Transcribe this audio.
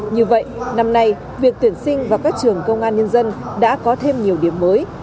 như vậy năm nay việc tuyển sinh vào các trường công an nhân dân đã có thêm nhiều điểm mới